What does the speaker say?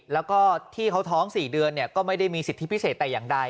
แล้วก็ที่เขาท้อง๔เดือนก็ไม่ได้มีสิทธิพิเศษแต่อย่างใด